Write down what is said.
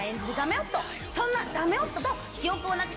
そんなダメ夫と。